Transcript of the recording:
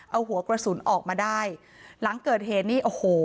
เอาหัวกระสุนออกมาได้หลังเกิดเหตุนี่โอ้โห